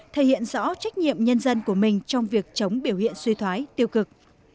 thể hiện rõ trách nhiệm nhân dân của mình trong việc chống biểu hiện suy thoái tiêu cực